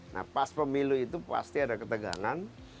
nah pas pemilu itu pasti ada ketegangan